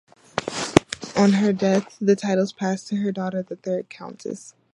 On her death the titles passed to her daughter, the third Countess.